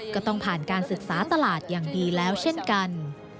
ก็ต้องผ่านการศึกษาตลาดอย่างดีแล้วเช่นกัน